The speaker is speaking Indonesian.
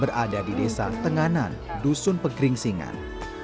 berada di desa tenganan dusun pegering singan